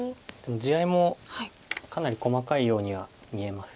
地合いもかなり細かいようには見えます。